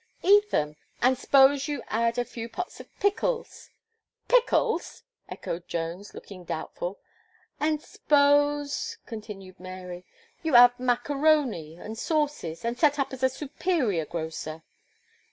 "Eat them. And s'pose you add a few pots of pickles?" "Pickles!" echoed Jones, looking doubtful. "And s'pose," continued Mary, "you add macaroni, and sauces, and set up as a superior grocer."